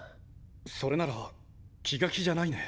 それなら気が気じゃないね。